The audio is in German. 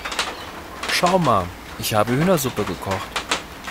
Schau mal, ich habe Hühnersuppe gekocht.